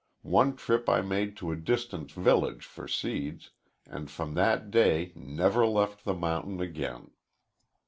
One trip I made to a distant village for seeds, and from that day never left the mountain again.